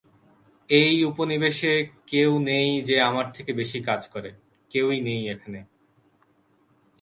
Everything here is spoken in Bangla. এই উপনিবেশে কেউ নেই যে আমার থেকে বেশি কাজ করে, কেউই নেই এখানে।